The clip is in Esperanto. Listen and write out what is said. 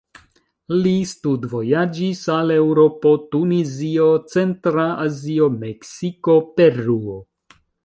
Li studvojaĝis al Eŭropo, Tunizio, Centra Azio, Meksiko, Peruo.